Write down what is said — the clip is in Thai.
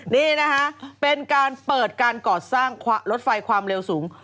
นี่นะคะเป็นการเปิดการก่อสร้างรถไฟความเร็วสูง